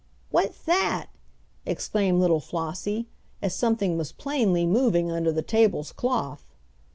"What's that!" exclaimed little Flossie, as something was plainly moving under the tables cloth.